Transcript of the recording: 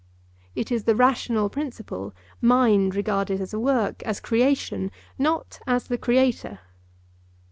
It is the rational principle, mind regarded as a work, as creation—not as the creator.